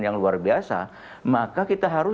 yang luar biasa maka kita harus